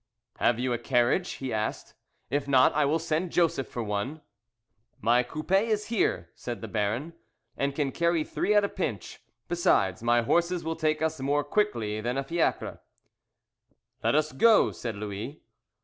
"Have you a carriage?" he asked; "if not I will send Joseph for one." "My coupé is here," said the Baron, "and can carry three at a pinch; besides, my horses will take us more quickly than a fiacre." "Let us go," said Louis.